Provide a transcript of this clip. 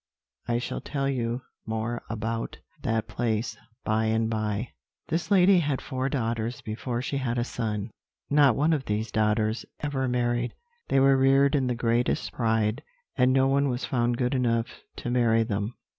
I shall tell you more about that place by and by. "This lady had four daughters before she had a son; not one of these daughters ever married. They were reared in the greatest pride, and no one was found good enough to marry them.